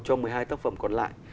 cho một mươi hai tác phẩm còn lại